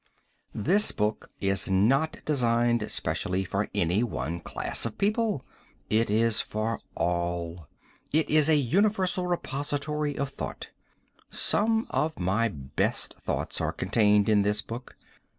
This book is not designed specially for any one class of people. It is for all. It is a universal repository of thought. Some of my best thoughts are contained in this book.